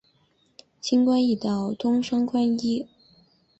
轻关易道，通商宽衣。